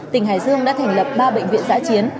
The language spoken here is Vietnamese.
tỉnh hải dương đã thành lập ba bệnh viện giã chiến